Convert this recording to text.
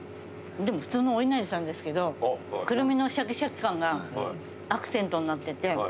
でも普通のおいなりさんですけどクルミのしゃきしゃき感がアクセントになってて。